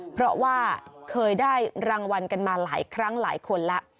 เพราะว่าเคยได้รางวัลกันมาหลายครั้งหลายคนแล้ว